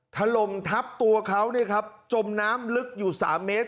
ถล่มทับตัวเขาเนี่ยครับจมน้ำลึกอยู่๓เมตร